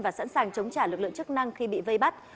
và sẵn sàng chống trả lực lượng chức năng khi bị vây bắt